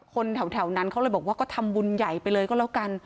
คนแถวนั้นเขาเลยบอกว่าก็ทำบุญใหญ่ไปเลยก็แล้วกัน